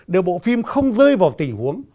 để bộ phim không rơi vào tình huống